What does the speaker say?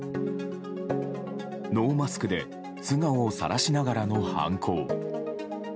ノーマスクで素顔をさらしながらの犯行。